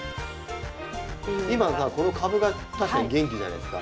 今さこの株が確かに元気じゃないですか。